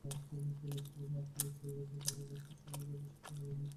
ফলে strawberry, apple এবং cherry জাতীয় ফল এবং শাকসবজি প্রচুর পরিমাণে জন্মায়।